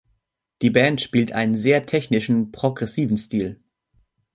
Die Band spielt einen sehr technischen, progressiven Stil.